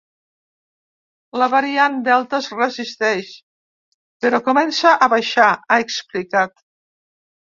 “La variant delta es resisteix, però comença a baixar”, ha explicat.